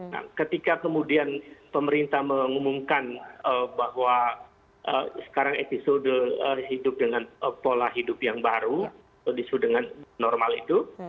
nah ketika kemudian pemerintah mengumumkan bahwa sekarang episode hidup dengan pola hidup yang baru episode dengan normal itu